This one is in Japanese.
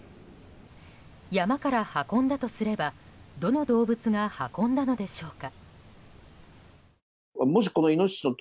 山から運んだとすればどの動物が運んだのでしょうか。